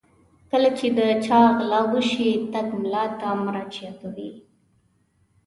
کله چې د چا غلا وشي ټګ ملا ته مراجعه کوي.